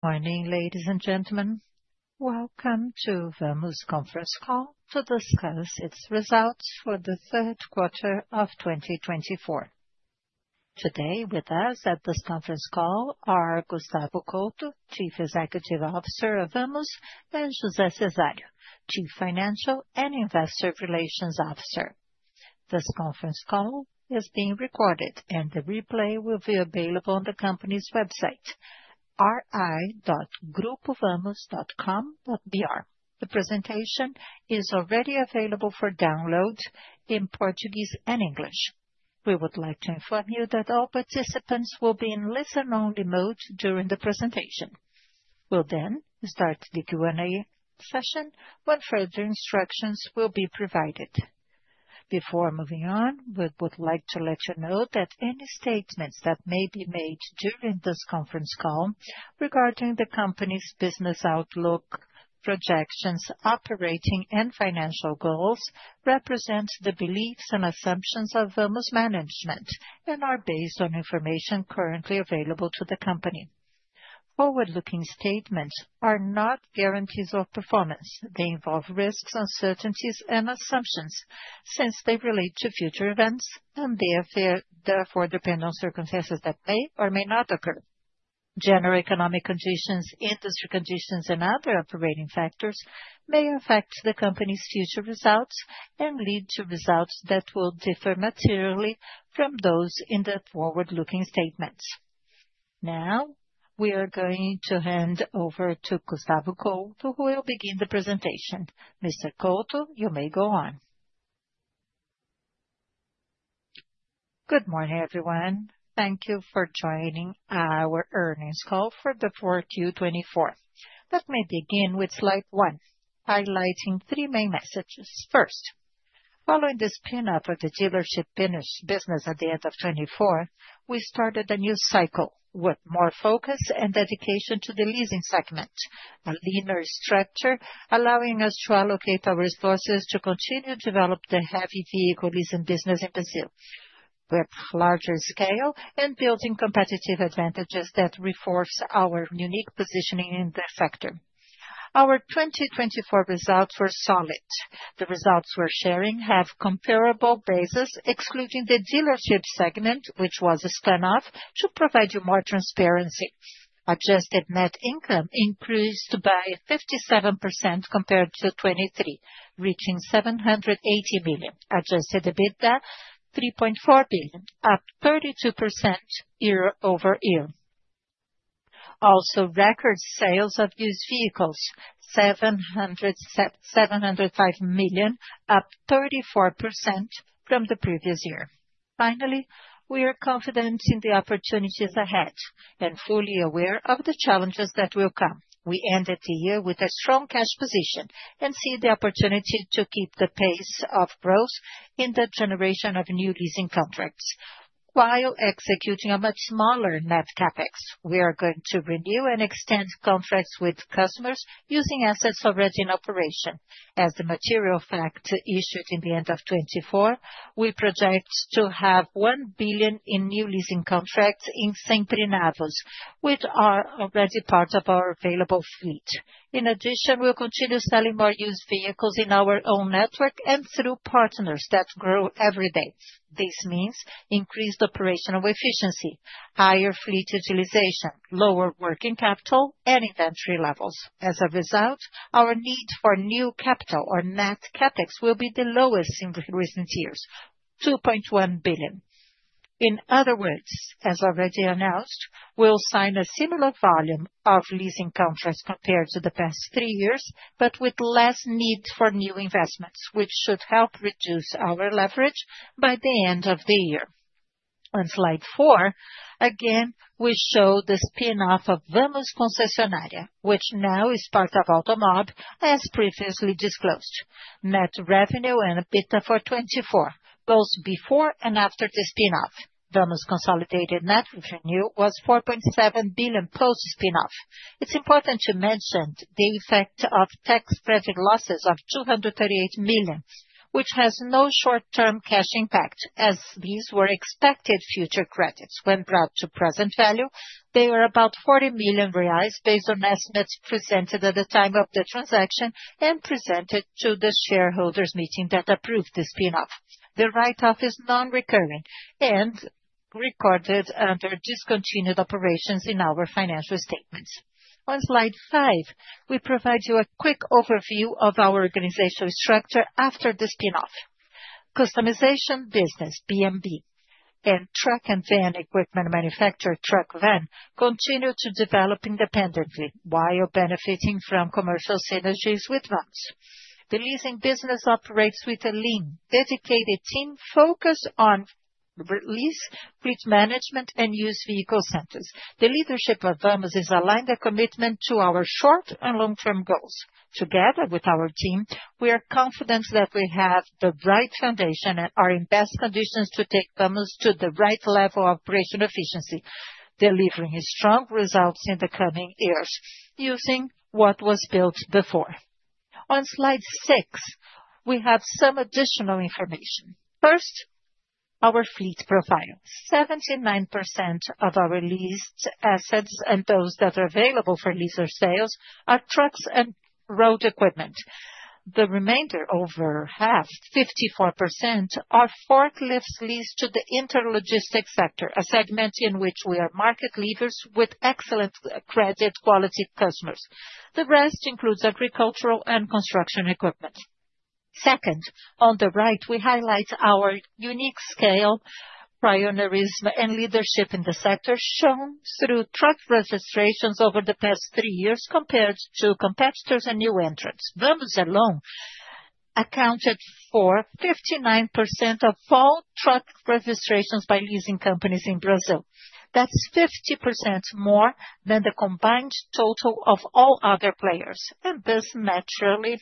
Morning, ladies and gentlemen. Welcome to Vamos Conference Call to discuss its results for the third quarter of 2024. Today with us at this conference call are Gustavo Couto, Chief Executive Officer of Vamos, and José Cesário, Chief Financial and Investor Relations Officer. This conference call is being recorded, and the replay will be available on the company's website, ri.grupovamos.com.br. The presentation is already available for download in Portuguese and English. We would like to inform you that all participants will be in listen-only mode during the presentation. We will then start the Q&A session when further instructions will be provided. Before moving on, we would like to let you know that any statements that may be made during this conference call regarding the company's business outlook, projections, operating, and financial goals represent the beliefs and assumptions of Vamos Management and are based on information currently available to the company. Forward-looking statements are not guarantees of performance. They involve risks, uncertainties, and assumptions since they relate to future events and therefore depend on circumstances that may or may not occur. General economic conditions, industry conditions, and other operating factors may affect the company's future results and lead to results that will differ materially from those in the forward-looking statements. Now, we are going to handover to Gustavo Couto, who will begin the presentation. Mr. Couto, you may go on. Good morning, everyone. Thank you for joining our earnings call for the fourth of 2024. Let me begin with slide one, highlighting three main messages. First, following this spin-off of the dealership business at the end of 2024, we started a new cycle with more focus and dedication to the leasing segment, a leaner structure allowing us to allocate our resources to continue to develop the heavy vehicle leasing business in Brazil with larger scale and building competitive advantages that reinforce our unique positioning in the sector. Our 2024 results were solid. The results we're sharing have a comparable basis, excluding the dealership segment, which was a spinoff, to provide you more transparency. Adjusted net income increased by 57% compared to 2023, reaching R$ 780 million. Adjusted EBITDA, R$ 3.4 billion, up 32% year over year. Also, record sales of used vehicles, R$ 705 million, up 34% from the previous year. Finally, we are confident in the opportunities ahead and fully aware of the challenges that will come. We ended the year with a strong cash position and see the opportunity to keep the pace of growth in the generation of new leasing contracts. While executing a much smaller net capex, we are going to renew and extend contracts with customers using assets already in operation. As a material fact issued in the end of 2024, we project to have $1 billion in new leasing contracts in Sempre Novo, which are already part of our available fleet. In addition, we'll continue selling more used vehicles in our own network and through partners that grow every day. This means increased operational efficiency, higher fleet utilization, lower working capital, and inventory levels. As a result, our need for new capital or net capex will be the lowest in recent years, 2.1 billion. In other words, as already announced, we'll sign a similar volume of leasing contracts compared to the past three years, but with less need for new investments, which should help reduce our leverage by the end of the year. On slide four, again, we show the spinoff of Vamos Concessionária, which now is part of Automob, as previously disclosed. Net revenue and EBITDA for 2024, both before and after the spinoff. Vamos Consolidated net revenue was $4.7 billion post-spinoff. It's important to mention the effect of tax-credit losses of $238 million, which has no short-term cash impact, as these were expected future credits. When brought to present value, they are about 40 million reais based on estimates presented at the time of the transaction and presented to the shareholders meeting that approved the spinoff. The write-off is non-recurring and recorded under discontinued operations in our financial statements. On slide five, we provide you a quick overview of our organizational structure after the spinoff. Customization business, BMB, and truck and van equipment manufacturer Truckvan continue to develop independently while benefiting from commercial synergies with Vamos. The leasing business operates with a lean, dedicated team focused on release, fleet management, and used vehicle centers. The leadership of Vamos is aligned to commitment to our short and long-term goals. Together with our team, we are confident that we have the right foundation and are in best conditions to take Vamos to the right level of operational efficiency, delivering strong results in the coming years using what was built before. On slide six, we have some additional information. First, our fleet profile. 79% of our leased assets and those that are available for lease or sales are trucks and road equipment. The remainder, over half, 54%, are forklifts leased to the interlogistics sector, a segment in which we are market leaders with excellent credit quality customers. The rest includes agricultural and construction equipment. Second, on the right, we highlight our unique scale, pioneerism, and leadership in the sector shown through truck registrations over the past three years compared to competitors and new entrants. Vamos alone accounted for 59% of all truck registrations by leasing companies in Brazil. That is 50% more than the combined total of all other players. This naturally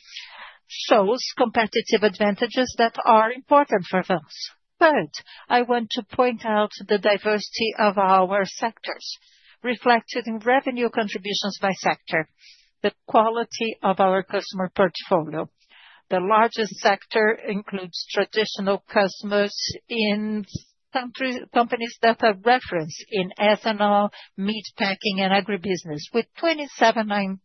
shows competitive advantages that are important for Vamos. Third, I want to point out the diversity of our sectors reflected in revenue contributions by sector, the quality of our customer portfolio. The largest sector includes traditional customers in companies that are referenced in ethanol, meat packing, and agribusiness, with 27.9%.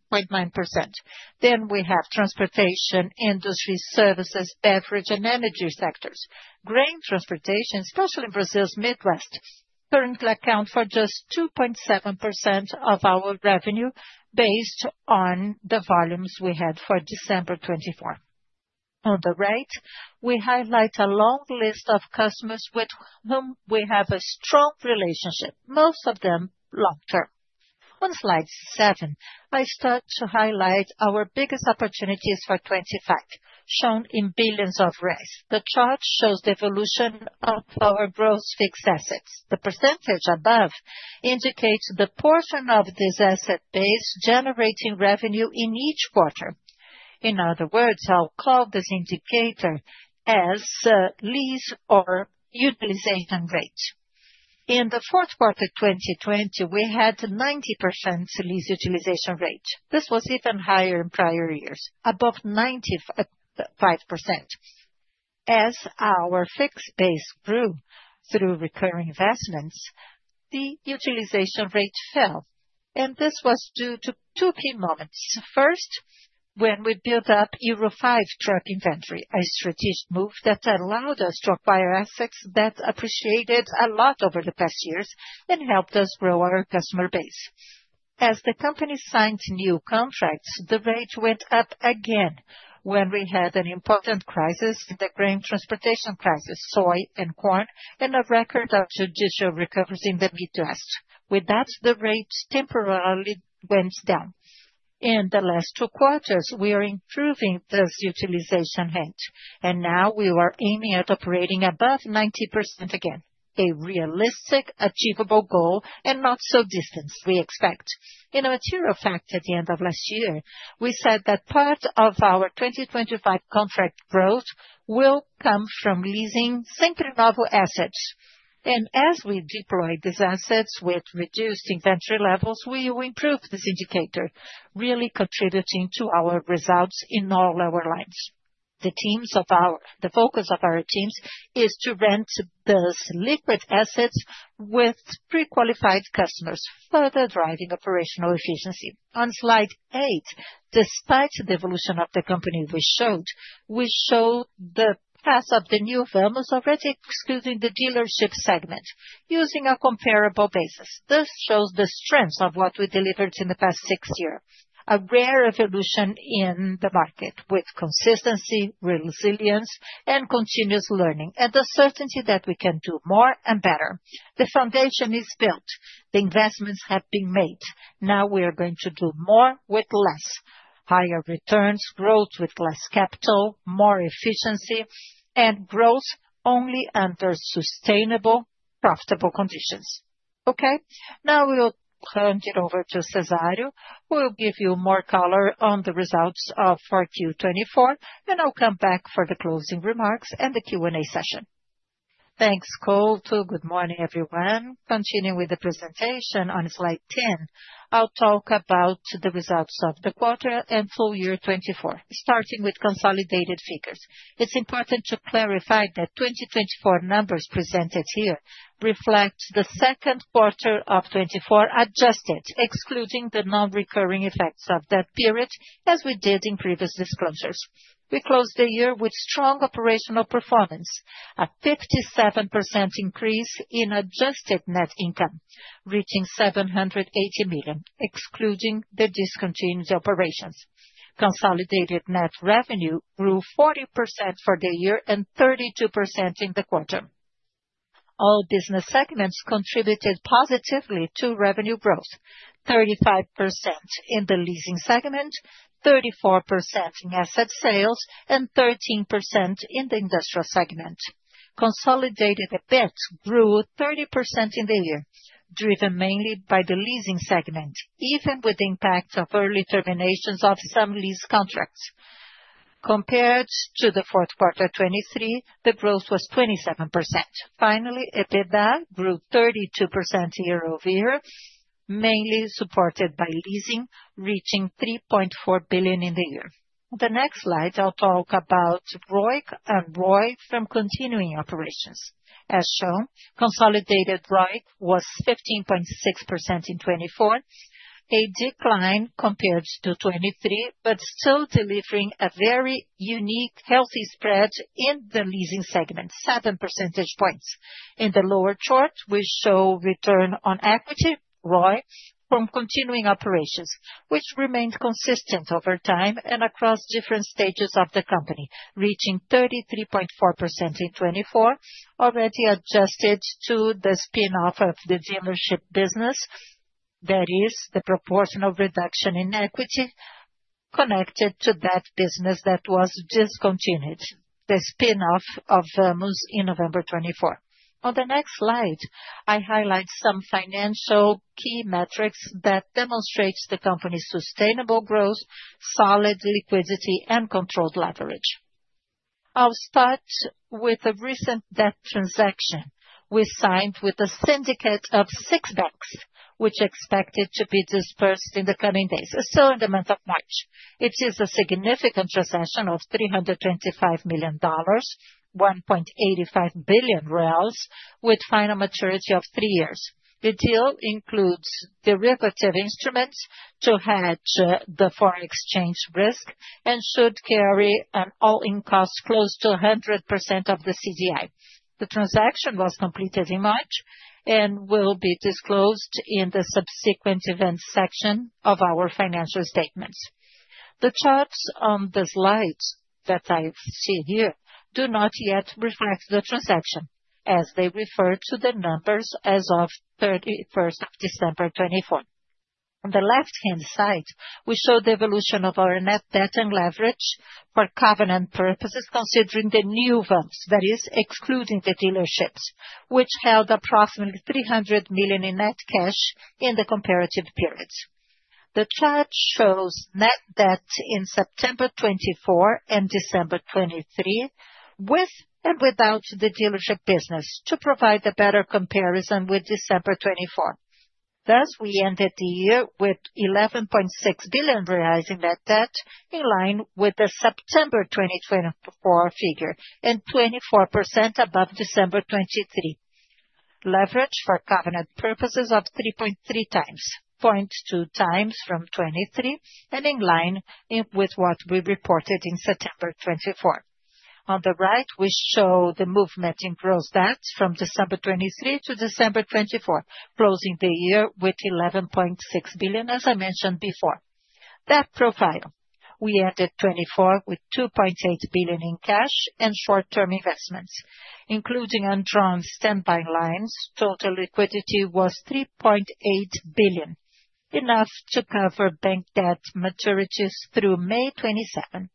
Then we have transportation, industry, services, beverage, and energy sectors. Grain transportation, especially in Brazil's Midwest, currently accounts for just 2.7% of our revenue based on the volumes we had for December 2024. On the right, we highlight a long list of customers with whom we have a strong relationship, most of them long-term. On slide seven, I start to highlight our biggest opportunities for 2025, shown in billions of reais. The chart shows the evolution of our gross fixed assets. The percentage above indicates the portion of this asset base generating revenue in each quarter. In other words, I'll call this indicator as lease or utilization rate. In the fourth quarter of 2020, we had a 90% lease utilization rate. This was even higher in prior years, above 95%. As our fixed base grew through recurring investments, the utilization rate fell. This was due to two key moments. First, when we built up Euro 5 truck inventory, a strategic move that allowed us to acquire assets that appreciated a lot over the past years and helped us grow our customer base. As the company signed new contracts, the rate went up again when we had an important crisis, the grain transportation crisis, soy and corn, and a record of judicial recoveries in the Midwest. With that, the rate temporarily went down. In the last two quarters, we are improving this utilization rate. Now we are aiming at operating above 90% again, a realistic, achievable goal and not so distant, we expect. In a material fact at the end of last year, we said that part of our 2025 contract growth will come from leasing Sempre Novo assets. As we deploy these assets with reduced inventory levels, we will improve this indicator, really contributing to our results in all our lines. The focus of our teams is to rent these liquid assets with pre-qualified customers, further driving operational efficiency. On slide eight, despite the evolution of the company we showed, we show the path of the new Vamos already excluding the dealership segment, using a comparable basis. This shows the strengths of what we delivered in the past six years, a rare evolution in the market with consistency, resilience, and continuous learning, and the certainty that we can do more and better. The foundation is built. The investments have been made. Now we are going to do more with less, higher returns, growth with less capital, more efficiency, and growth only under sustainable, profitable conditions. Okay, now we'll hand it over to Cesário, who will give you more color on the results of 4Q 2024, and I'll come back for the closing remarks and the Q&A session. Thanks, Couto. Good morning, everyone. Continuing with the presentation, on slide 10, I'll talk about the results of the quarter and full year 2024, starting with consolidated figures. It's important to clarify that 2024 numbers presented here reflect the second quarter of 2024 adjusted, excluding the non-recurring effects of that period, as we did in previous disclosures. We closed the year with strong operational performance, a 57% increase in adjusted net income, reaching $780 million, excluding the discontinued operations. Consolidated net revenue grew 40% for the year and 32% in the quarter. All business segments contributed positively to revenue growth, 35% in the leasing segment, 34% in asset sales, and 13% in the industrial segment. Consolidated EBIT grew 30% in the year, driven mainly by the leasing segment, even with the impact of early terminations of some lease contracts. Compared to the fourth quarter 2023, the growth was 27%. Finally, EBITDA grew 32% year over year, mainly supported by leasing, reaching 3.4 billion in the year. On the next slide, I'll talk about ROIC and ROI from continuing operations. As shown, consolidated ROIC was 15.6% in 2024, a decline compared to 2023, but still delivering a very unique, healthy spread in the leasing segment, 7 percentage points. In the lower chart, we show return on equity, ROI, from continuing operations, which remained consistent over time and across different stages of the company, reaching 33.4% in 2024, already adjusted to the spinoff of the dealership business, that is, the proportional reduction in equity connected to that business that was discontinued, the spinoff of Vamos in November 2024. On the next slide, I highlight some financial key metrics that demonstrate the company's sustainable growth, solid liquidity, and controlled leverage. I'll start with a recent debt transaction we signed with a syndicate of six banks, which is expected to be disbursed in the coming days, in the month of March. It is a significant transaction of $325 million, 1.85 billion reais, with final maturity of three years. The deal includes derivative instruments to hedge the foreign exchange risk and should carry an all-in cost close to 100% of the CDI. The transaction was completed in March and will be disclosed in the subsequent events section of our financial statements. The charts on the slides that I see here do not yet reflect the transaction, as they refer to the numbers as of 31st of December 2024. On the left-hand side, we show the evolution of our net debt and leverage for covenant purposes, considering the new Vamos, that is, excluding the dealerships, which held approximately $300 million in net cash in the comparative periods. The chart shows net debt in September 2024 and December 2023, with and without the dealership business, to provide a better comparison with December 2024. Thus, we ended the year with $11.6 billion in net debt, in line with the September 2024 figure, and 24% above December 2023. Leverage for covenant purposes of 3.3 times, 0.2 times from 2023, and in line with what we reported in September 2024. On the right, we show the movement in gross debt from December 2023 to December 2024, closing the year with $11.6 billion, as I mentioned before. Debt profile. We ended 2024 with $2.8 billion in cash and short-term investments. Including and drawn standby lines, total liquidity was $3.8 billion, enough to cover bank debt maturities through May 27.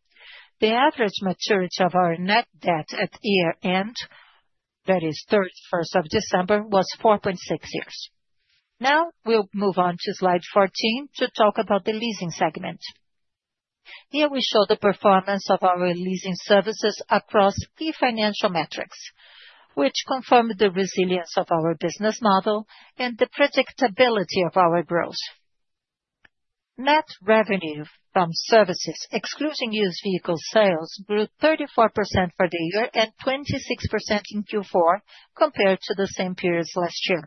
The average maturity of our net debt at year-end, that is, 31st of December, was 4.6 years. Now we will move on to slide 14 to talk about the leasing segment. Here we show the performance of our leasing services across key financial metrics, which confirm the resilience of our business model and the predictability of our growth. Net revenue from services, excluding used vehicle sales, grew 34% for the year and 26% in Q4 compared to the same periods last year.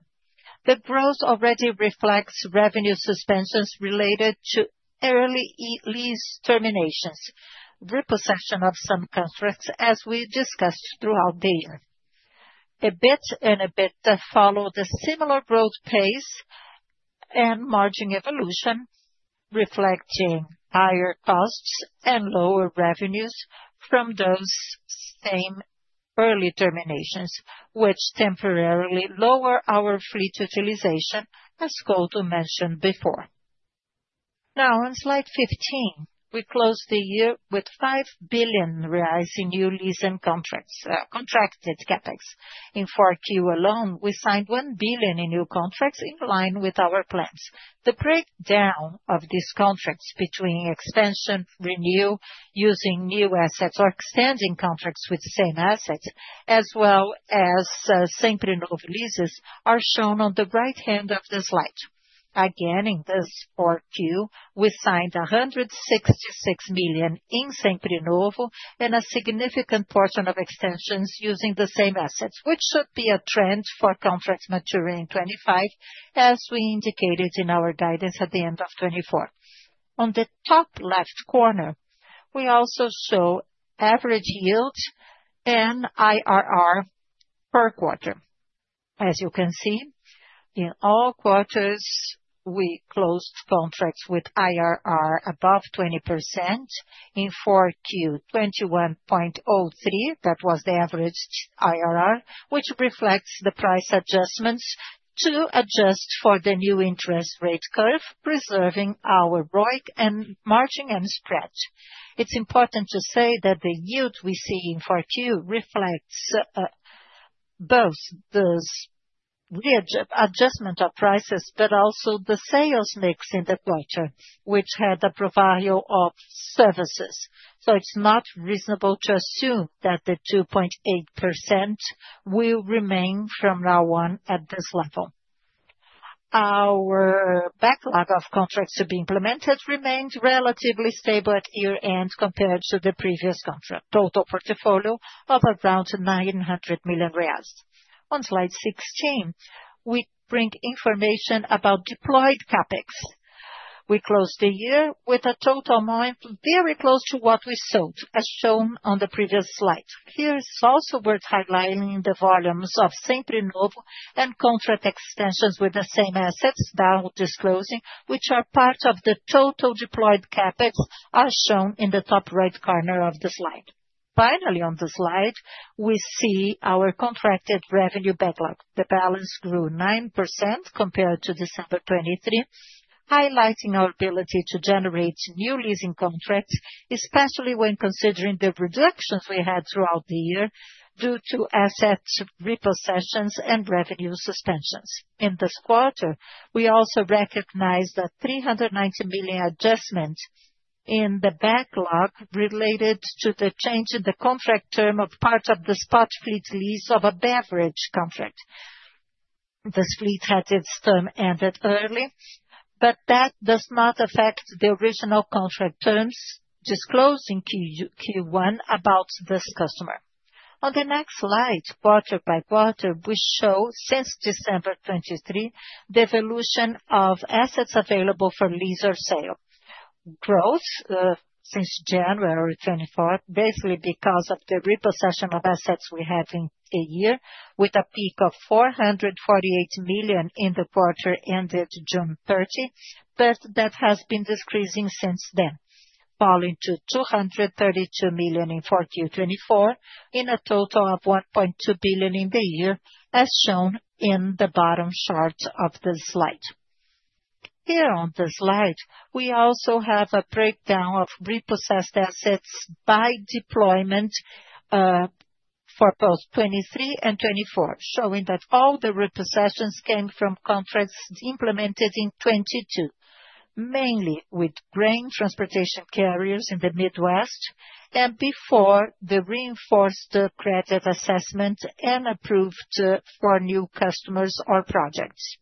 The growth already reflects revenue suspensions related to early lease terminations, repossession of some contracts, as we discussed throughout the year. EBIT and EBITDA followed a similar growth pace and margin evolution, reflecting higher costs and lower revenues from those same early terminations, which temporarily lower our fleet utilization, as Couto mentioned before. Now, on slide 15, we close the year with R$ 5 billion in new leasing contracts, contracted capex. In Q4 alone, we signed R$ 1 billion in new contracts in line with our plans. The breakdown of these contracts between expansion, renew, using new assets, or extending contracts with the same assets, as well as Sempre Novo leases, are shown on the right-hand of the slide. Again, in this 4Q, we signed $166 million in Sempre Novo and a significant portion of extensions using the same assets, which should be a trend for contracts maturing in 2025, as we indicated in our guidance at the end of 2024. On the top left corner, we also show average yield and IRR per quarter. As you can see, in all quarters, we closed contracts with IRR above 20%. In 4Q, 21.03%, that was the average IRR, which reflects the price adjustments to adjust for the new interest rate curve, preserving our ROIC and margin and spread. It's important to say that the yield we see in 4Q reflects both the adjustment of prices, but also the sales mix in the quarter, which had a proviso of services. It's not reasonable to assume that the 2.8% will remain from now on at this level. Our backlog of contracts to be implemented remained relatively stable at year-end compared to the previous contract, total portfolio of around $900 million. On slide 16, we bring information about deployed Capex. We closed the year with a total amount very close to what we sold, as shown on the previous slide. Here is also worth highlighting the volumes of Sempre Novo and contract extensions with the same assets that I'll disclose, which are part of the total deployed Capex, as shown in the top right corner of the slide. Finally, on the slide, we see our contracted revenue backlog. The balance grew 9% compared to December 2023, highlighting our ability to generate new leasing contracts, especially when considering the reductions we had throughout the year due to asset repossessions and revenue suspensions. In this quarter, we also recognize that $390 million adjustment in the backlog related to the change in the contract term of part of the spot fleet lease of a beverage contract. This fleet had its term ended early, but that does not affect the original contract terms disclosed in Q1 about this customer. On the next slide, quarter by quarter, we show, since December 2023, the evolution of assets available for lease or sale. Growth since January 2024, basically because of the repossession of assets we have in a year, with a peak of $448 million in the quarter ended June 30, but that has been decreasing since then, falling to $232 million in 4Q24, in a total of $1.2 billion in the year, as shown in the bottom chart of the slide. Here on the slide, we also have a breakdown of repossessed assets by deployment for both 2023 and 2024, showing that all the repossessions came from contracts implemented in 2022, mainly with grain transportation carriers in the Midwest, and before the reinforced credit assessment and approved for new customers or projects.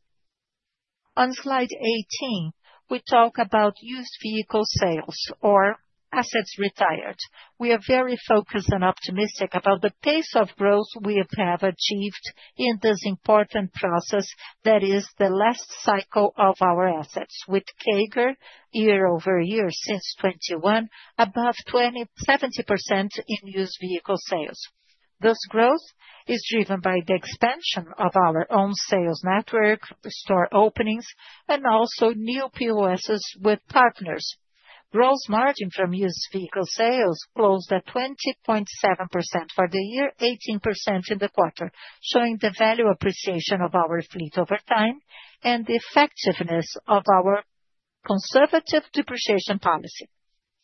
On slide 18, we talk about used vehicle sales, or assets retired. We are very focused and optimistic about the pace of growth we have achieved in this important process that is the last cycle of our assets, with CAGR year over year since 2021, above 70% in used vehicle sales. This growth is driven by the expansion of our own sales network, store openings, and also new POSs with partners. Gross margin from used vehicle sales closed at 20.7% for the year, 18% in the quarter, showing the value appreciation of our fleet over time and the effectiveness of our conservative depreciation policy.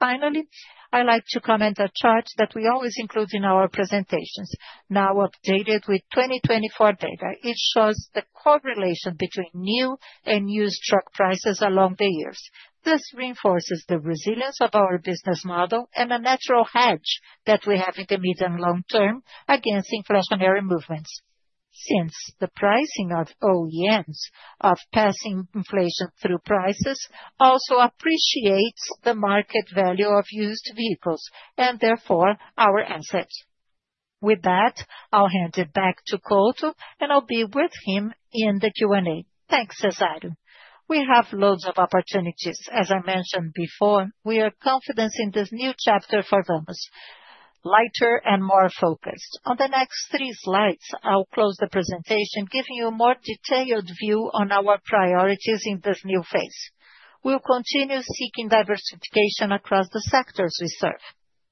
Finally, I'd like to comment on a chart that we always include in our presentations, now updated with 2024 data. It shows the correlation between new and used truck prices along the years. This reinforces the resilience of our business model and a natural hedge that we have in the mid and long term against inflationary movements, since the pricing of OEMs of passing inflation through prices also appreciates the market value of used vehicles and therefore our assets. With that, I'll hand it back to Couto, and I'll be with him in the Q&A. Thanks, Cesário. We have loads of opportunities. As I mentioned before, we are confident in this new chapter for Vamos, lighter and more focused. On the next three slides, I'll close the presentation, giving you a more detailed view on our priorities in this new phase. We'll continue seeking diversification across the sectors we serve.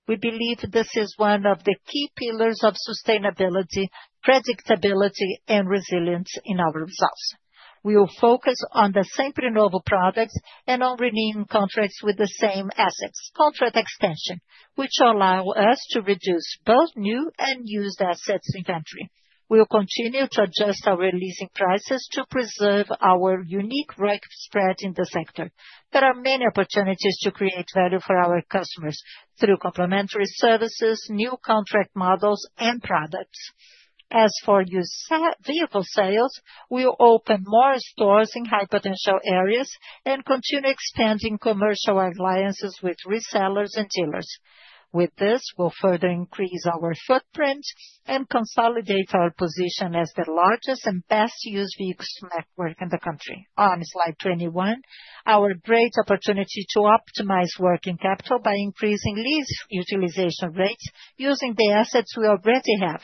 We believe this is one of the key pillars of sustainability, predictability, and resilience in our results. We will focus on the Sempre Novo products and on renewing contracts with the same assets, contract extension, which allow us to reduce both new and used assets inventory. We'll continue to adjust our leasing prices to preserve our unique ROIC spread in the sector. There are many opportunities to create value for our customers through complementary services, new contract models, and products. As for used vehicle sales, we'll open more stores in high-potential areas and continue expanding commercial alliances with resellers and dealers. With this, we'll further increase our footprint and consolidate our position as the largest and best used vehicle network in the country. On slide 21, our great opportunity to optimize working capital by increasing lease utilization rates using the assets we already have.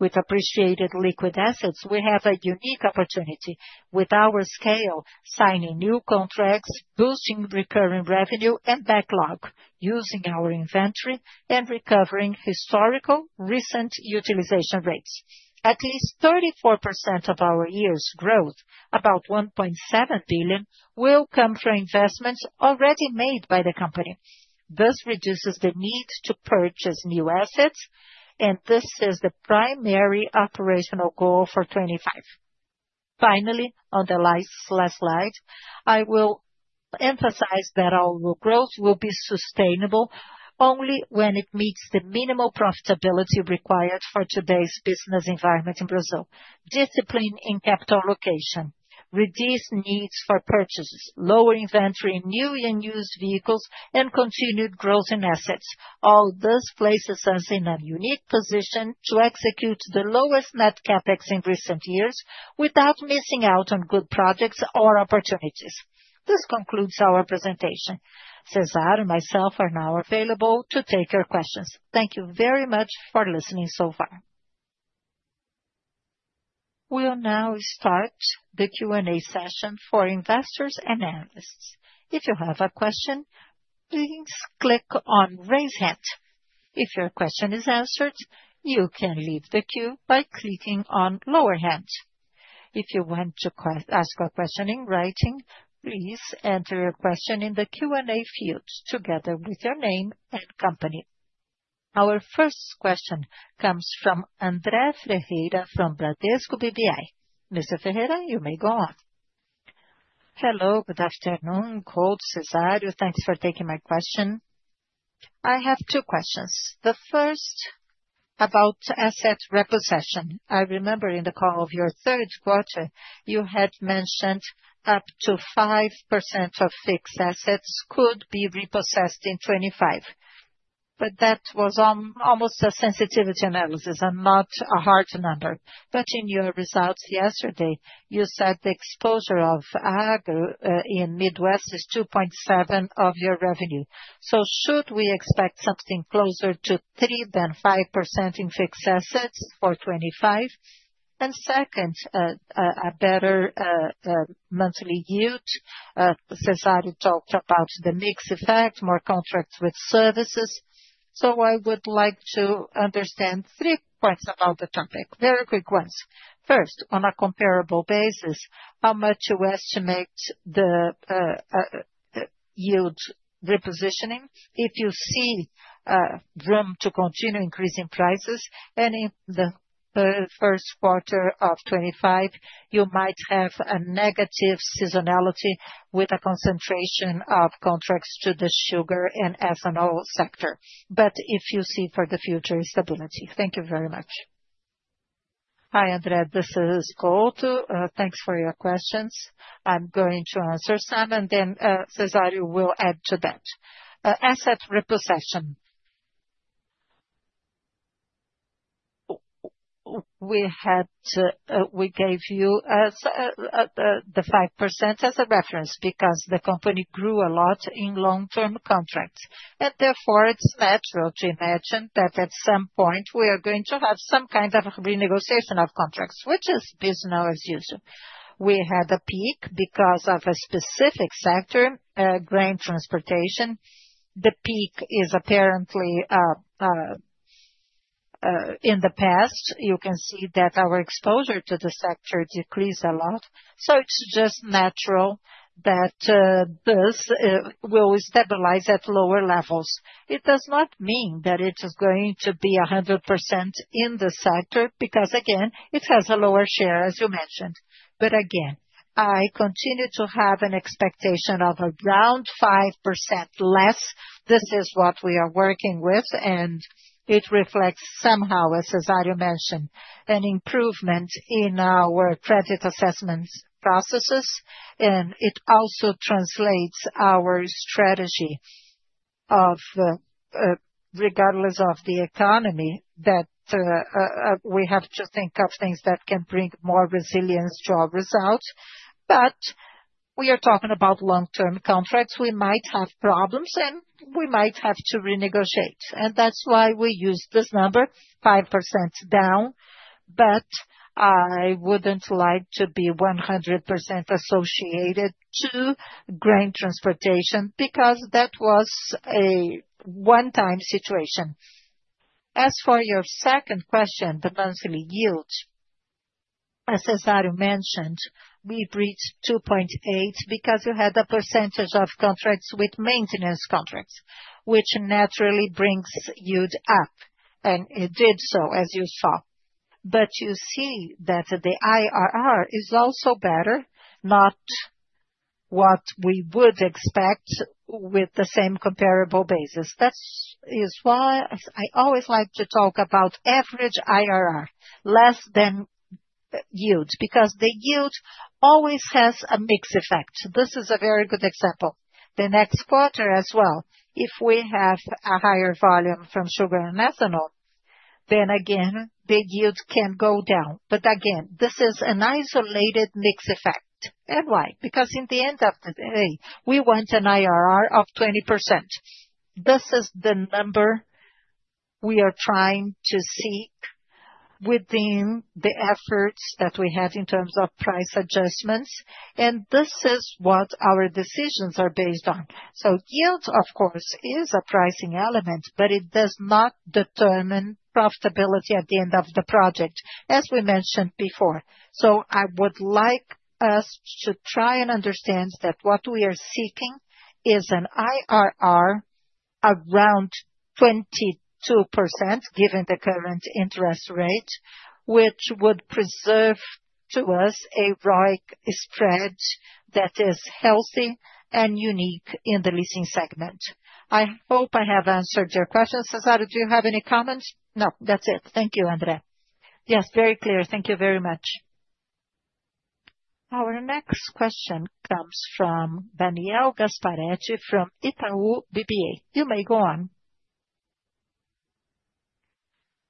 With appreciated liquid assets, we have a unique opportunity with our scale, signing new contracts, boosting recurring revenue and backlog using our inventory, and recovering historical recent utilization rates. At least 34% of our year's growth, about $1.7 billion, will come from investments already made by the company. This reduces the need to purchase new assets, and this is the primary operational goal for 2025. Finally, on the last slide, I will emphasize that our growth will be sustainable only when it meets the minimal profitability required for today's business environment in Brazil. Discipline in capital allocation, reduced needs for purchases, lower inventory in new and used vehicles, and continued growth in assets. All this places us in a unique position to execute the lowest net capex in recent years without missing out on good projects or opportunities. This concludes our presentation. Cesário and myself are now available to take your questions. Thank you very much for listening so far. We will now start the Q&A session for investors and analysts. If you have a question, please click on raise hand. If your question is answered, you can leave the queue by clicking on lower hand. If you want to ask a question in writing, please enter your question in the Q&A field together with your name and company. Our first question comes from André Ferreira from Bradesco BBI. Mr. Ferreira, you may go on. Hello, good afternoon. Couto, Cesário, thanks for taking my question. I have two questions. The first about asset repossession. I remember in the call of your third quarter, you had mentioned up to 5% of fixed assets could be repossessed in 2025, but that was almost a sensitivity analysis and not a hard number. In your results yesterday, you said the exposure of agro in Midwest is 2.7% of your revenue. Should we expect something closer to 3% than 5% in fixed assets for 2025? Second, a better monthly yield? Cesário talked about the mix effect, more contracts with services. I would like to understand three points about the topic, very quick ones. First, on a comparable basis, how much do you estimate the yield repositioning if you see room to continue increasing prices? In the first quarter of 2025, you might have a negative seasonality with a concentration of contracts to the sugar and ethanol sector, but if you see for the future, stability. Thank you very much. Hi, André, this is Couto. Thanks for your questions. I'm going to answer some, and then Cesário will add to that. Asset repossession. We gave you the 5% as a reference because the company grew a lot in long-term contracts, and therefore it is natural to imagine that at some point we are going to have some kind of renegotiation of contracts, which is business as usual. We had a peak because of a specific sector, grain transportation. The peak is apparently in the past. You can see that our exposure to the sector decreased a lot. It is just natural that this will stabilize at lower levels. It does not mean that it is going to be 100% in the sector because, again, it has a lower share, as you mentioned. Again, I continue to have an expectation of around 5% less. This is what we are working with, and it reflects somehow, as Cesário mentioned, an improvement in our credit assessment processes, and it also translates our strategy of, regardless of the economy, that we have to think of things that can bring more resilience to our results. We are talking about long-term contracts. We might have problems, and we might have to renegotiate. That is why we use this number, 5% down, but I would not like to be 100% associated to grain transportation because that was a one-time situation. As for your second question, the monthly yield, as Cesário mentioned, we breached 2.8% because you had a percentage of contracts with maintenance contracts, which naturally brings yield up, and it did so, as you saw. You see that the IRR is also better, not what we would expect with the same comparable basis. That is why I always like to talk about average IRR, less than yield, because the yield always has a mix effect. This is a very good example. The next quarter as well, if we have a higher volume from sugar and ethanol, the yield can go down. Again, this is an isolated mix effect. Why? Because in the end of the day, we want an IRR of 20%. This is the number we are trying to seek within the efforts that we have in terms of price adjustments, and this is what our decisions are based on. Yield, of course, is a pricing element, but it does not determine profitability at the end of the project, as we mentioned before. I would like us to try and understand that what we are seeking is an IRR around 22%, given the current interest rate, which would preserve to us a ROIC spread that is healthy and unique in the leasing segment. I hope I have answered your questions. Cesário, do you have any comments? No, that's it. Thank you, André. Yes, very clear. Thank you very much. Our next question comes from Daniel Gasparete from Itaú BBA. You may go on.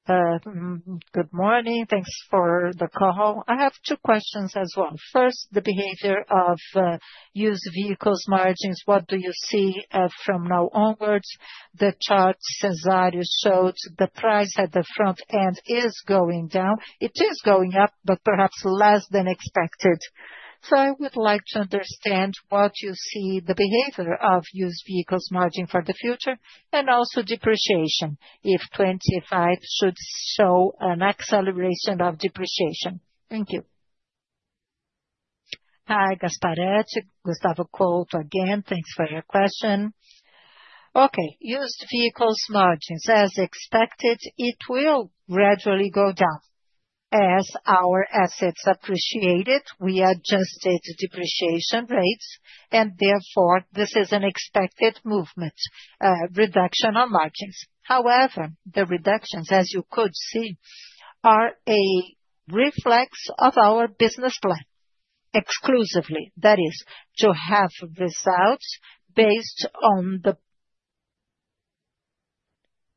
Good morning. Thanks for the call. I have two questions as well. First, the behavior of used vehicles margins, what do you see from now onwards? The chart Cesário showed, the price at the front end is going down. It is going up, but perhaps less than expected. I would like to understand what you see, the behavior of used vehicles margin for the future and also depreciation, if 2025 should show an acceleration of depreciation. Thank you. Hi, Gasparetti. Gustavo Couto again. Thanks for your question. Okay, used vehicles margins, as expected, it will gradually go down as our assets appreciated. We adjusted depreciation rates, and therefore this is an expected movement, reduction on margins. However, the reductions, as you could see, are a reflex of our business plan exclusively. That is to have results based on the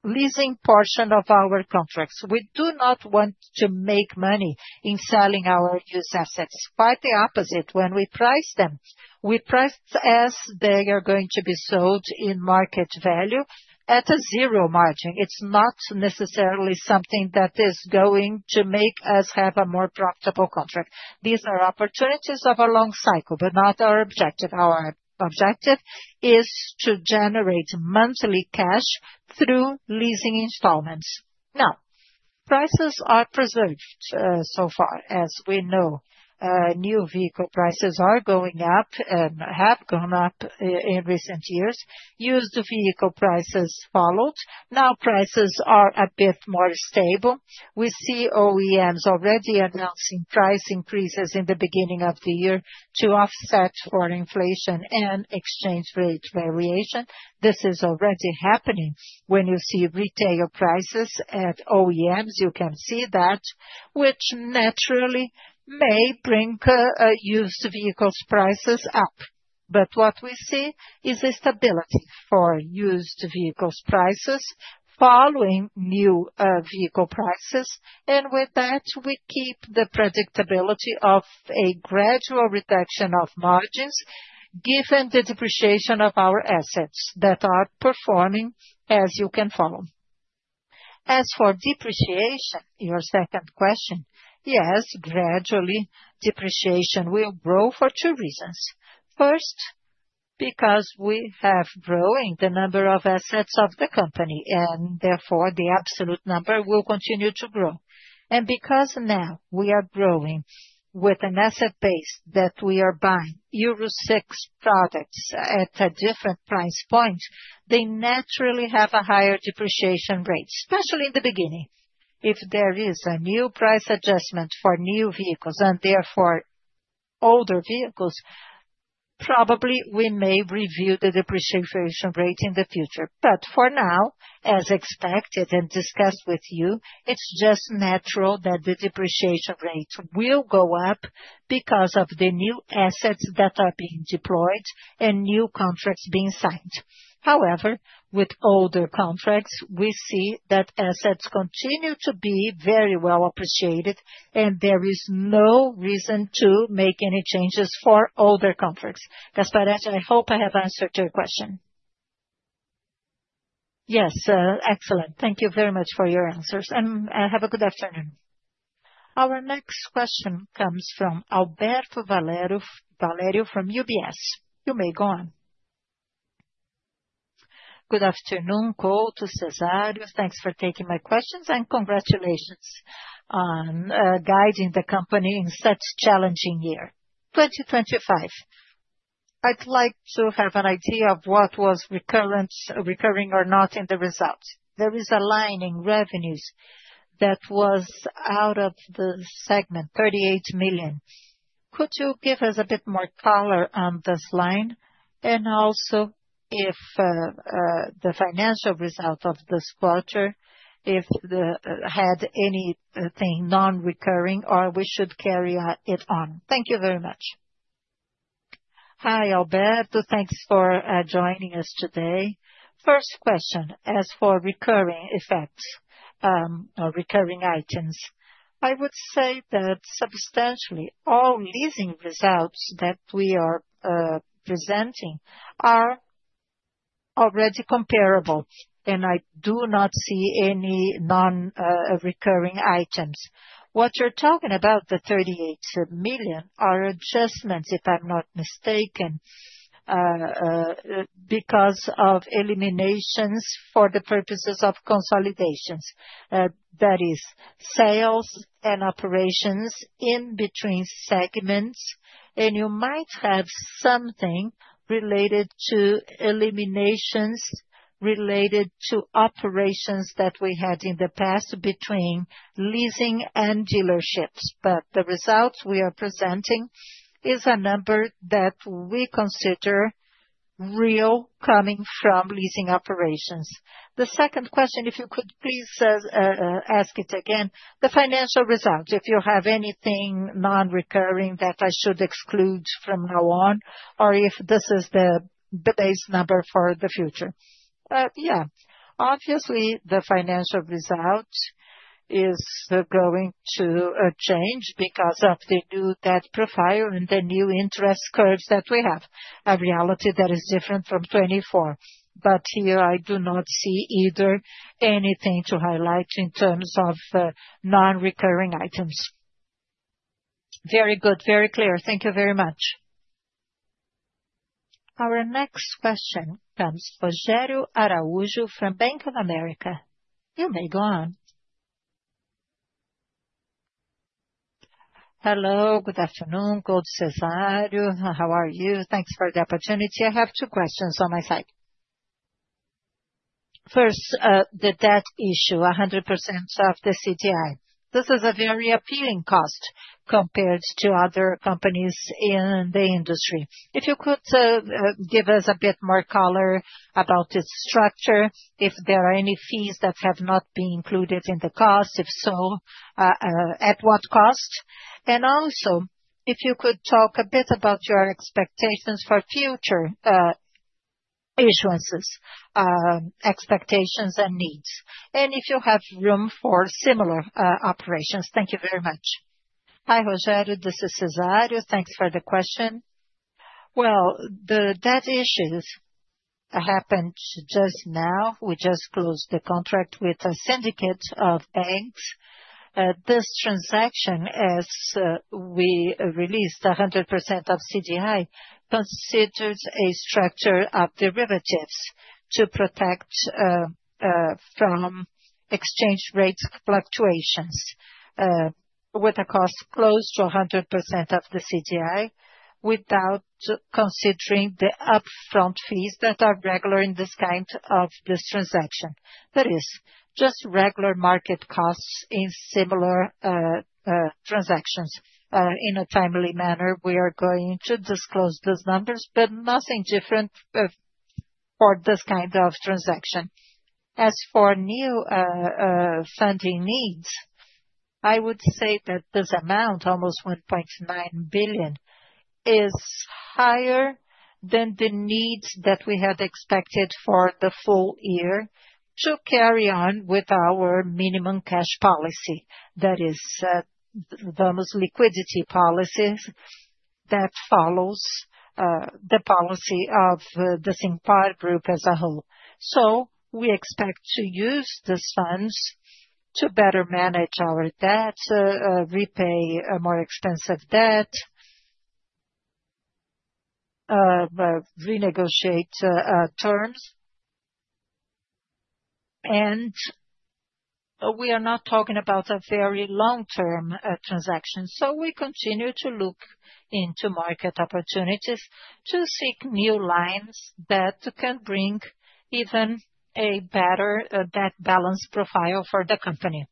leasing portion of our contracts. We do not want to make money in selling our used assets. Quite the opposite. When we price them, we price as they are going to be sold in market value at a zero margin. It's not necessarily something that is going to make us have a more profitable contract. These are opportunities of a long cycle, but not our objective. Our objective is to generate monthly cash through leasing installments. Now, prices are preserved so far, as we know. New vehicle prices are going up and have gone up in recent years. Used vehicle prices followed. Now prices are a bit more stable. We see OEMs already announcing price increases in the beginning of the year to offset for inflation and exchange rate variation. This is already happening. When you see retail prices at OEMs, you can see that, which naturally may bring used vehicles prices up. What we see is a stability for used vehicles prices following new vehicle prices. With that, we keep the predictability of a gradual reduction of margins given the depreciation of our assets that are performing as you can follow. As for depreciation, your second question, yes, gradually depreciation will grow for two reasons. First, because we have growing the number of assets of the company, and therefore the absolute number will continue to grow. And because now we are growing with an asset base that we are buying Euro 6 products at a different price point, they naturally have a higher depreciation rate, especially in the beginning. If there is a new price adjustment for new vehicles and therefore older vehicles, probably we may review the depreciation rate in the future. For now, as expected and discussed with you, it's just natural that the depreciation rate will go up because of the new assets that are being deployed and new contracts being signed. However, with older contracts, we see that assets continue to be very well appreciated, and there is no reason to make any changes for older contracts. Gasparetti, I hope I have answered your question. Yes, excellent. Thank you very much for your answers, and have a good afternoon. Our next question comes from Alberto Valerio from UBS. You may go on. Good afternoon, Couto, Cesário. Thanks for taking my questions and congratulations on guiding the company in such a challenging year, 2025. I'd like to have an idea of what was recurring or not in the results. There is a line in revenues that was out of the segment, 38 million. Could you give us a bit more color on this line? Also, if the financial result of this quarter had anything non-recurring or we should carry it on. Thank you very much. Hi, Alberto. Thanks for joining us today. First question, as for recurring effects or recurring items, I would say that substantially all leasing results that we are presenting are already comparable, and I do not see any non-recurring items. What you are talking about, the 38 million, are adjustments, if I am not mistaken, because of eliminations for the purposes of consolidations. That is sales and operations in between segments, and you might have something related to eliminations related to operations that we had in the past between leasing and dealerships. The results we are presenting is a number that we consider real coming from leasing operations. The second question, if you could please ask it again, the financial results, if you have anything non-recurring that I should exclude from now on, or if this is the base number for the future. Yeah, obviously the financial result is going to change because of the new debt profile and the new interest curve that we have, a reality that is different from 2024. Here I do not see either anything to highlight in terms of non-recurring items. Very good, very clear. Thank you very much. Our next question comes from Rogério Araújo from Bank of America. You may go on. Hello, good afternoon, Couto, Cesário. How are you? Thanks for the opportunity. I have two questions on my side. First, the debt issue, 100% of the CDI. This is a very appealing cost compared to other companies in the industry. If you could give us a bit more color about its structure, if there are any fees that have not been included in the cost, if so, at what cost? Also, if you could talk a bit about your expectations for future issuances, expectations and needs, and if you have room for similar operations. Thank you very much. Hi, Rogério, this is Cesário. Thanks for the question. The debt issues happened just now. We just closed the contract with a syndicate of banks. This transaction, as we released, 100% of CDI, considered a structure of derivatives to protect from exchange rate fluctuations with a cost close to 100% of the CDI without considering the upfront fees that are regular in this kind of transaction. That is just regular market costs in similar transactions in a timely manner. We are going to disclose those numbers, but nothing different for this kind of transaction. As for new funding needs, I would say that this amount, almost 1.9 billion, is higher than the needs that we had expected for the full year to carry on with our minimum cash policy. That is the most liquidity policies that follow the policy of the Grupo Vamos as a whole. We expect to use these funds to better manage our debt, repay more expensive debt, renegotiate terms. We are not talking about a very long-term transaction. We continue to look into market opportunities to seek new lines that can bring even a better debt balance profile for the company.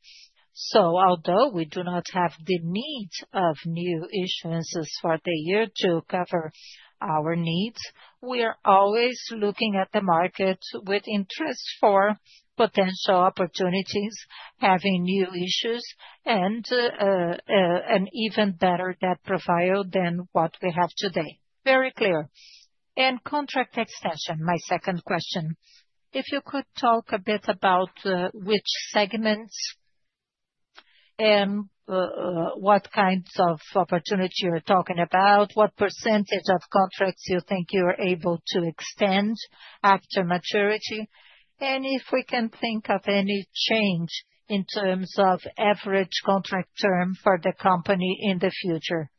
Although we do not have the need of new issuances for the year to cover our needs, we are always looking at the market with interest for potential opportunities, having new issues and an even better debt profile than what we have today. Very clear. Contract extension, my second question. If you could talk a bit about which segments and what kinds of opportunity you're talking about, what percentage of contracts you think you're able to extend after maturity, and if we can think of any change in terms of average contract term for the company in the future,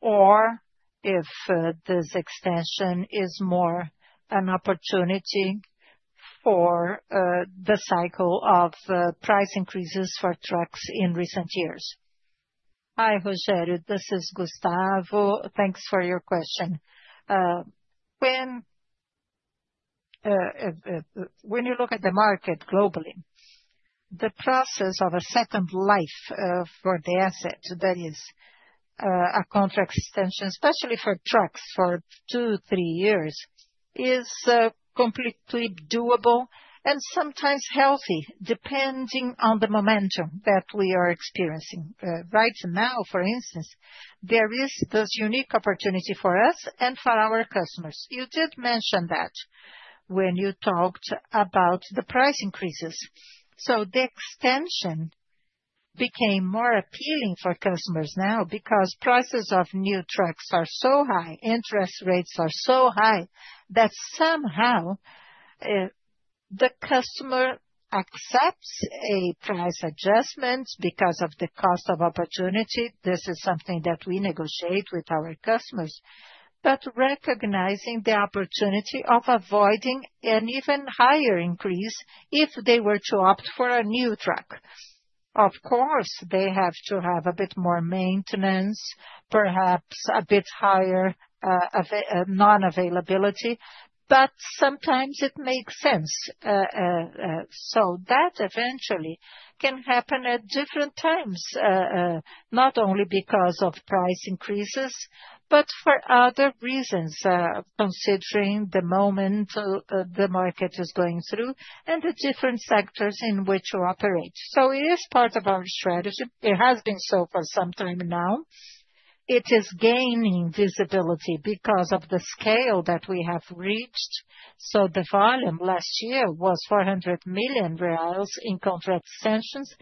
or if this extension is more an opportunity for the cycle of price increases for trucks in recent years. Hi, Rogério, this is Gustavo. Thanks for your question. When you look at the market globally, the process of a second life for the asset that is a contract extension, especially for trucks for two, three years, is completely doable and sometimes healthy depending on the momentum that we are experiencing. Right now, for instance, there is this unique opportunity for us and for our customers. You did mention that when you talked about the price increases. The extension became more appealing for customers now because prices of new trucks are so high, interest rates are so high that somehow the customer accepts a price adjustment because of the cost of opportunity. This is something that we negotiate with our customers, but recognizing the opportunity of avoiding an even higher increase if they were to opt for a new truck. Of course, they have to have a bit more maintenance, perhaps a bit higher non-availability, but sometimes it makes sense. That eventually can happen at different times, not only because of price increases, but for other reasons, considering the moment the market is going through and the different sectors in which you operate. It is part of our strategy. It has been so for some time now. It is gaining visibility because of the scale that we have reached. The volume last year was 400 million reais in contract extensions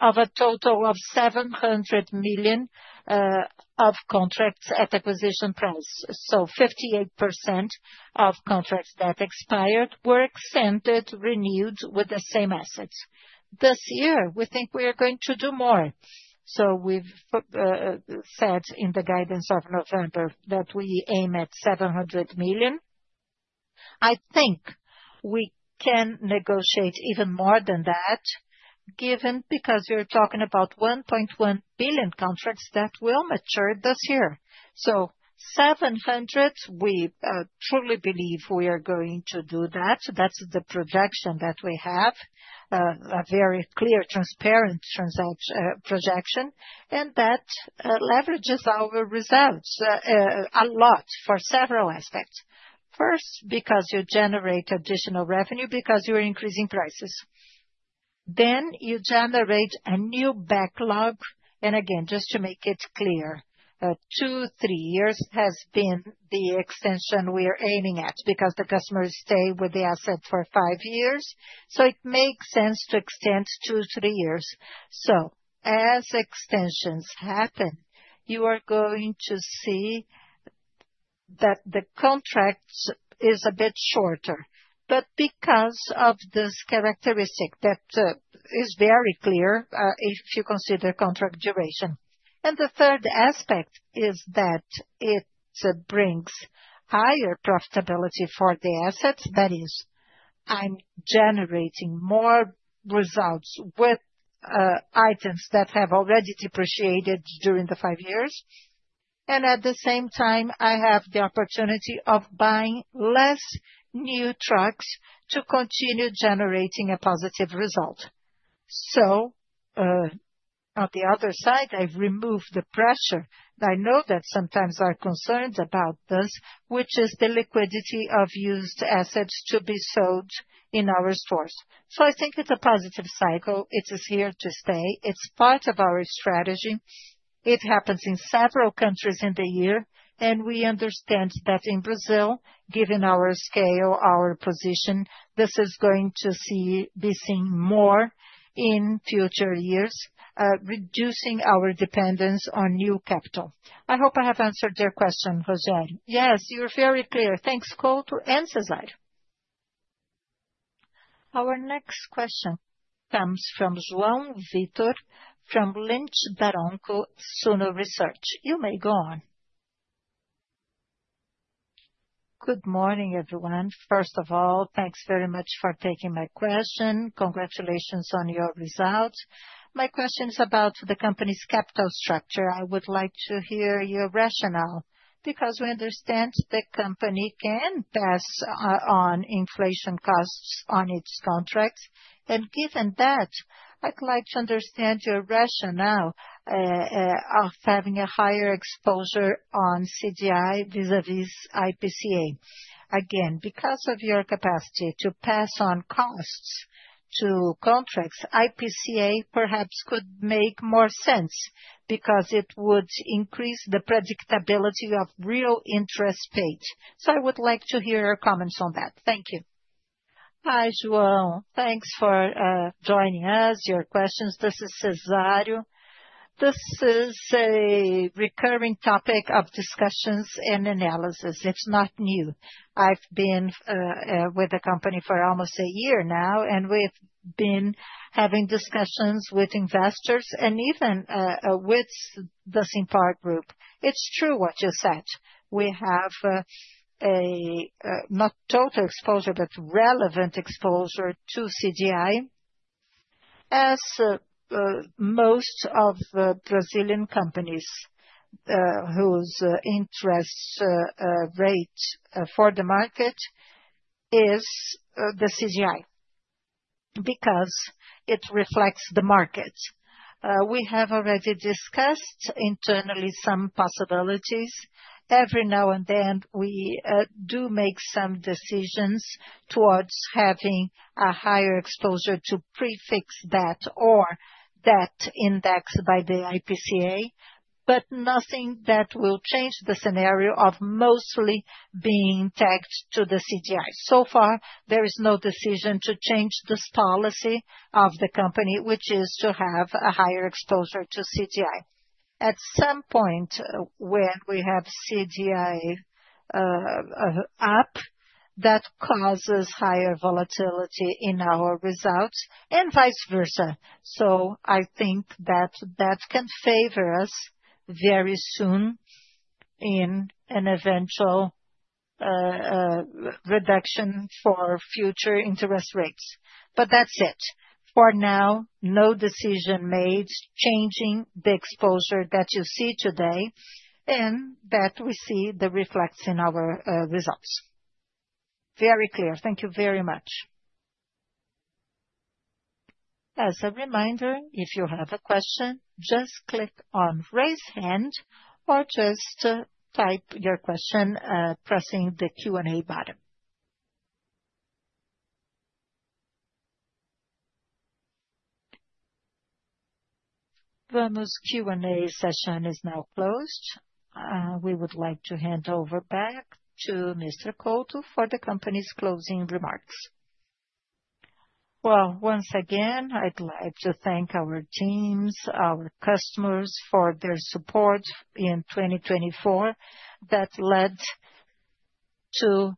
of a total of 700 million of contracts at acquisition price. 58% of contracts that expired were extended, renewed with the same assets. This year, we think we are going to do more. We said in the guidance of November that we aim at 700 million. I think we can negotiate even more than that, given because you're talking about 1.1 billion contracts that will mature this year. So 700 million, we truly believe we are going to do that. That's the projection that we have, a very clear, transparent projection, and that leverages our results a lot for several aspects. First, because you generate additional revenue because you're increasing prices. You generate a new backlog. Just to make it clear, two, three years has been the extension we are aiming at because the customers stay with the asset for five years. It makes sense to extend two, three years. As extensions happen, you are going to see that the contract is a bit shorter, but because of this characteristic that is very clear if you consider contract duration. The third aspect is that it brings higher profitability for the assets. That is, I'm generating more results with items that have already depreciated during the five years. At the same time, I have the opportunity of buying less new trucks to continue generating a positive result. On the other side, I've removed the pressure. I know that sometimes our concerns about this, which is the liquidity of used assets to be sold in our stores. I think it's a positive cycle. It is here to stay. It's part of our strategy. It happens in several countries in the year, and we understand that in Brazil, given our scale, our position, this is going to be seen more in future years, reducing our dependence on new capital. I hope I have answered your question, Rogério. Yes, you're very clear. Thanks, Couto, and Cesário. Our next question comes from João Víctor from Lynch Barranco Suno Research. You may go on. Good morning, everyone. First of all, thanks very much for taking my question. Congratulations on your result. My question is about the company's capital structure. I would like to hear your rationale because we understand the company can pass on inflation costs on its contracts. Given that, I'd like to understand your rationale of having a higher exposure on CDI vis-à-vis IPCA. Again, because of your capacity to pass on costs to contracts, IPCA perhaps could make more sense because it would increase the predictability of real interest paid. I would like to hear your comments on that. Thank you. Hi, João. Thanks for joining us. Your questions, this is Cesário. This is a recurring topic of discussions and analysis. It's not new. I've been with the company for almost a year now, and we've been having discussions with investors and even with the Simpar Group. It's true what you said. We have not total exposure, but relevant exposure to CDI, as most of Brazilian companies whose interest rate for the market is the CDI because it reflects the market. We have already discussed internally some possibilities. Every now and then, we do make some decisions towards having a higher exposure to prefix debt or debt indexed by the IPCA, but nothing that will change the scenario of mostly being tagged to the CDI. So far, there is no decision to change this policy of the company, which is to have a higher exposure to CDI. At some point, when we have CDI up, that causes higher volatility in our results and vice versa. I think that that can favor us very soon in an eventual reduction for future interest rates. That's it. For now, no decision made changing the exposure that you see today and that we see that reflects in our results. Very clear. Thank you very much. As a reminder, if you have a question, just click on raise hand or just type your question pressing the Q&A button. Vamos Q&A session is now closed. We would like to hand over back to Mr. Couto for the company's closing remarks. Once again, I'd like to thank our teams, our customers for their support in 2024 that led to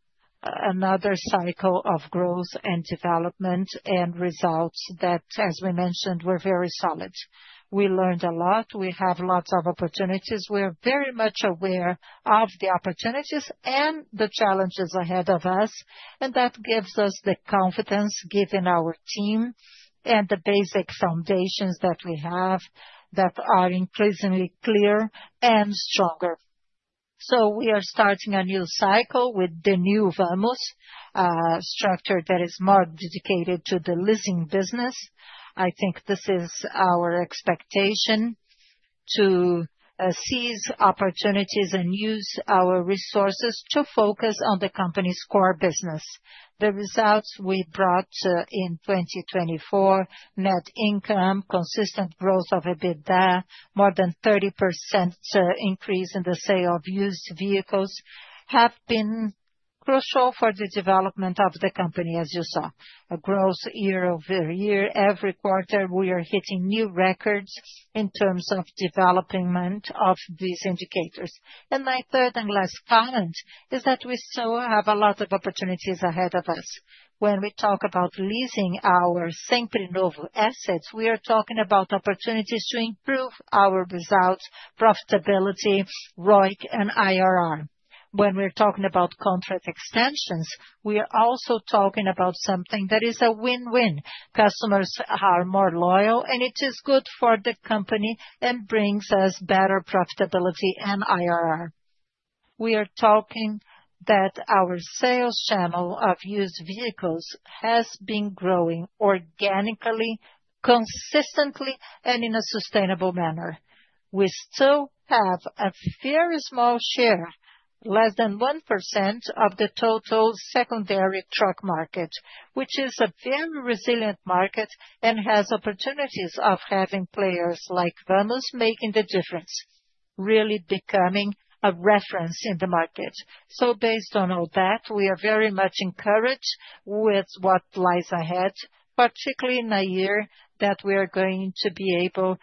another cycle of growth and development and results that, as we mentioned, were very solid. We learned a lot. We have lots of opportunities. We are very much aware of the opportunities and the challenges ahead of us. That gives us the confidence given our team and the basic foundations that we have that are increasingly clear and stronger. We are starting a new cycle with the new Vamos structure that is more dedicated to the leasing business. I think this is our expectation to seize opportunities and use our resources to focus on the company's core business. The results we brought in 2024, net income, consistent growth of EBITDA, more than 30% increase in the sale of used vehicles have been crucial for the development of the company, as you saw. A growth year over year, every quarter, we are hitting new records in terms of development of these indicators. My third and last comment is that we still have a lot of opportunities ahead of us. When we talk about leasing our Sempre Novo assets, we are talking about opportunities to improve our results, profitability, ROIC, and IRR. When we're talking about contract extensions, we are also talking about something that is a win-win. Customers are more loyal, and it is good for the company and brings us better profitability and IRR. We are talking that our sales channel of used vehicles has been growing organically, consistently, and in a sustainable manner. We still have a very small share, less than 1% of the total secondary truck market, which is a very resilient market and has opportunities of having players like Vamos making the difference, really becoming a reference in the market. Based on all that, we are very much encouraged with what lies ahead, particularly in a year that we are going to be able to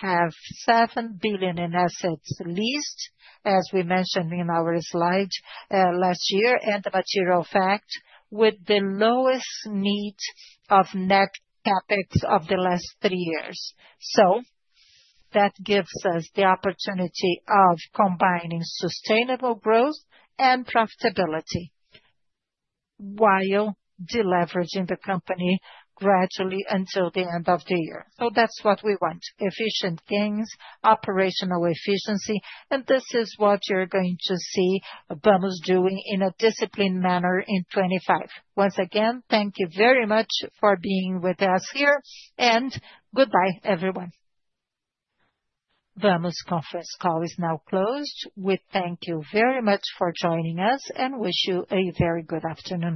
have 7 billion in assets leased, as we mentioned in our slide last year, and the material fact with the lowest need of net capex of the last three years. That gives us the opportunity of combining sustainable growth and profitability while deleveraging the company gradually until the end of the year. That is what we want: efficient gains, operational efficiency. This is what you are going to see Vamos doing in a disciplined manner in 2025. Once again, thank you very much for being with us here. Goodbye, everyone. Vamos conference call is now closed. We thank you very much for joining us and wish you a very good afternoon.